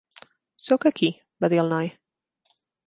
"Soc aquí," va dir el noi.